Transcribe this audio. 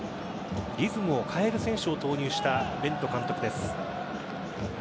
リズムを変える選手を投入したベント監督です。